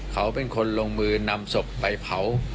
เขาเป็นคนลงมือนำศพไปเผา